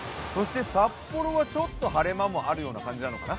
札幌はちょっと晴れ間もあるような感じなのかな。